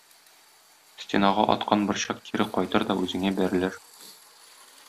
Стенага аткан борчак кире кайтыр да үзеңә бәрелер.